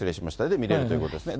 で、見れるということですね。